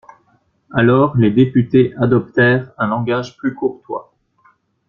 Alors les députés adoptèrent un langage plus courtois.